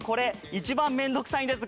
一番めんどくさいんです